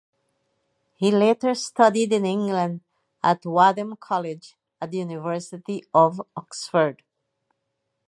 He later studied in England at Wadham College at the University of Oxford.